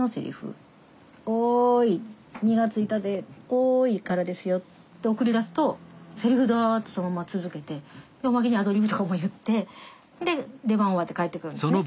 「おい」からですよって送り出すとセリフダッてそのまま続けておまけにアドリブとかも言ってで出番終わって帰ってくるんですね。